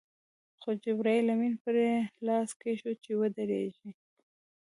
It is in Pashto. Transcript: خو جبرائیل امین پرې لاس کېښود چې ودرېږي.